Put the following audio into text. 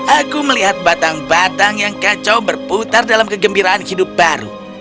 aku melihat batang batang yang kacau berputar dalam kegembiraan hidup baru